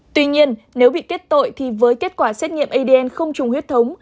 tuy nhiên nếu bị kết tội thì với kết quả xét nghiệm adn không trùng huyết thống